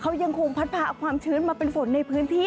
เขายังคงพัดพาเอาความชื้นมาเป็นฝนในพื้นที่